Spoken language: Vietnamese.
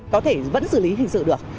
có thể vẫn xử lý hình sự được